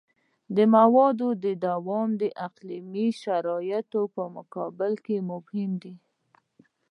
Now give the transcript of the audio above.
د موادو دوام د اقلیمي شرایطو په مقابل کې مهم دی